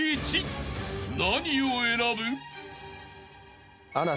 ［何を選ぶ？］